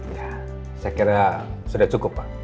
ya saya kira sudah cukup pak